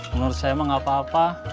menurut saya mah gak apa apa